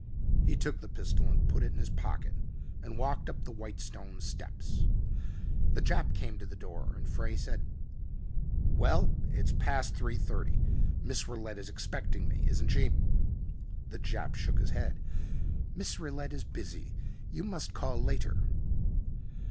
He took the pistol and put it in his pocket and walked up the white stone steps. The Jap came to the door and Frey said, "Well it's past three thirty. Miss Rillette is expecting me, isn't she ?" The Jap shook his head. "Miss Rillette is busy. You must call later."